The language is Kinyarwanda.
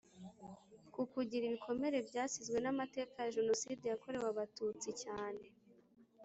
Ku gukira ibikomere byasizwe n amateka ya jenoside yakorewe abatutsi cyane